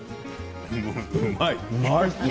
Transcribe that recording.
うまい。